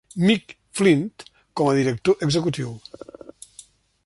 "Mick" Flint com a director executiu.